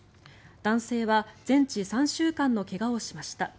男性は全治３週間の怪我をしました。